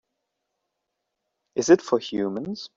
Is it for humans?